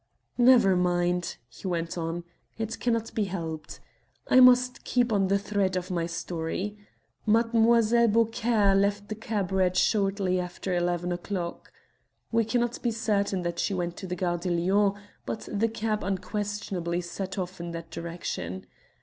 "Never mind," he went on, "it cannot be helped. I must keep to the thread of my story. Mademoiselle Beaucaire left the Cabaret shortly after eleven o'clock. We cannot be certain that she went to the Gare de Lyon, but the cab unquestionably set off in that direction.